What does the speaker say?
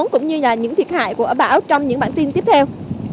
cũng như là những thiệt hại của bão trong những bản tin tiếp theo